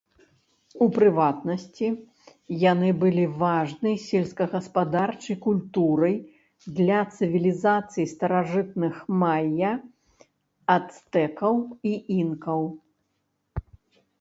У прыватнасці, яны былі важнай сельскагаспадарчай культурай для цывілізацый старажытных мая, ацтэкаў і інкаў.